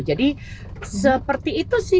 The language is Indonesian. jadi seperti itu sih